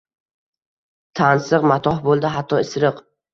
Tansiq matoh bo’ldi hatto isiriq.